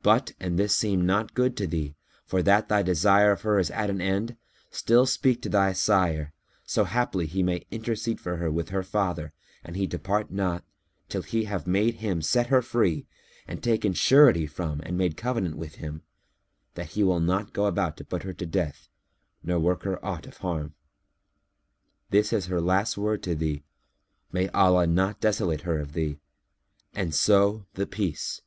But, an this seem not good to thee, for that thy desire of her is at an end, still speak to thy sire, so haply he may intercede for her with her father and he depart not, till he have made him set her free and taken surety from and made covenant with him, that he will not go about to put her to death nor work her aught of harm. This is her last word to thee, may Allah not desolate her of thee, and so The Peace!